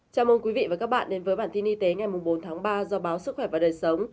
chào mừng quý vị và các bạn đến với bản tin y tế ngày bốn tháng ba do báo sức khỏe và đời sống